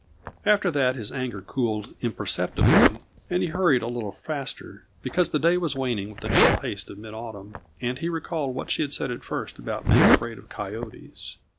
After that his anger cooled imperceptibly, and he hurried a little faster because the day was waning with the chill haste of mid autumn, and he recalled what she had said at first about being afraid of coyotes.